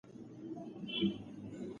د ګډو اړیکو ماتول مه هڅوه.